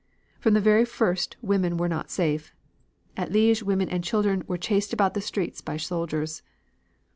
From the very first women were not safe. At Liege women and children were chased about the streets by soldiers.